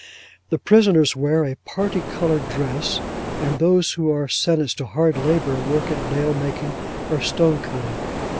The prisoners wear a parti coloured dress; and those who are sentenced to hard labour, work at nail making, or stone cutting.